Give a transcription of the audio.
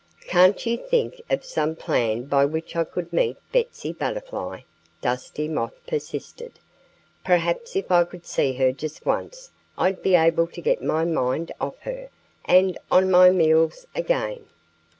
"Can't you think of some plan by which I could meet Betsy Butterfly?" Dusty Moth persisted. "Perhaps if I could see her just once I'd be able to get my mind off her and on my meals again."